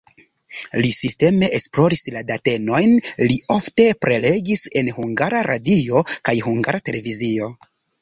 Li sisteme esploris la datenojn, li ofte prelegis en Hungara Radio kaj Hungara Televizio.